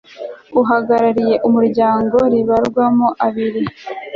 uhagarariye umuryango ribarwamo abiri